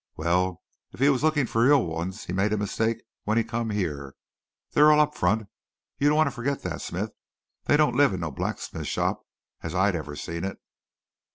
"Well if he was lookin' for real ones he made a mistake wen he come here. They're all up front. You don't want to forget that, smith. They don't live in no blacksmith's shop as I ever seen it."